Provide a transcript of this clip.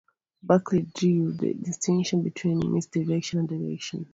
Buckley drew the distinction between misdirection and "direction".